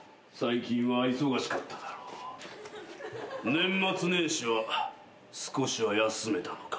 年末年始は少しは休めたのか？